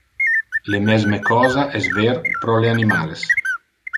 Le mesme cosa es ver pro le animales.